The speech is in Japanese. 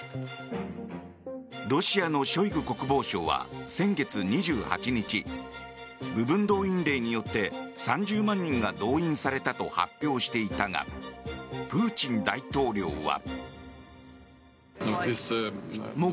ロシアのショイグ国防相は先月２８日部分動員令によって３０万人が動員されたと発表していたがプーチン大統領は。